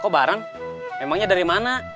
kok bareng memangnya darimana